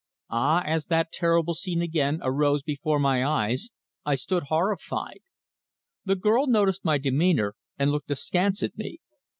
Ah! as that terrible scene again arose before my eyes I stood horrified. The girl noticed my demeanour, and looked askance at me.